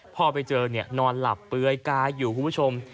พ่อไปเจอนอนหลับเปลือยกายอยู่คุณผู้ชม